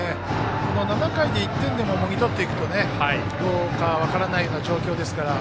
７回で１点でももぎ取っていけばどうなるか分からないような状況ですから。